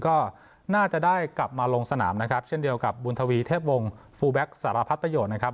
ก็น่าจะได้กลับมาลงสนามนะครับเช่นเดียวกับบุญทวีเทพวงศ์ฟูแบ็คสารพัดประโยชน์นะครับ